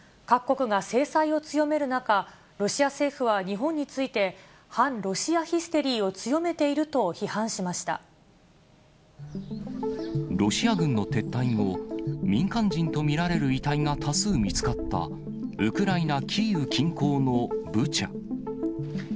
各国が制裁を強める中、ロシア政府は日本について、反ロシアヒステリーを強めているロシア軍の撤退後、民間人と見られる遺体が多数見つかった、ウクライナ・キーウ近郊のブチャ。